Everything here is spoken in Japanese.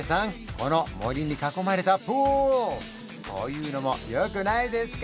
この森に囲まれたプールこういうのもよくないですか？